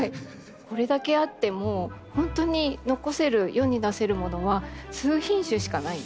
これだけあっても本当に残せる世に出せるものは数品種しかないんです。